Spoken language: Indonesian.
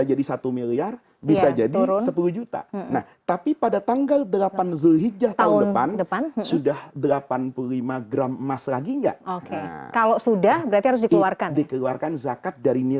jadi cara menghitungnya ini